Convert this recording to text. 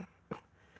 hanya punya penggemar